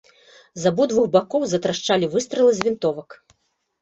З абодвух бакоў затрашчалі выстралы з вінтовак.